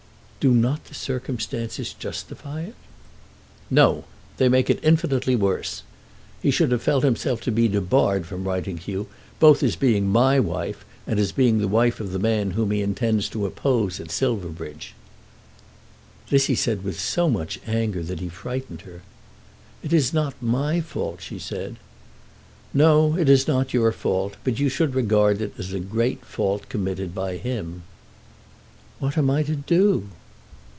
"Do not the circumstances justify it?" "No; they make it infinitely worse. He should have felt himself to be debarred from writing to you, both as being my wife and as being the wife of the man whom he intends to oppose at Silverbridge." This he said with so much anger that he frightened her. "It is not my fault," she said. "No; it is not your fault. But you should regard it as a great fault committed by him." "What am I to do?"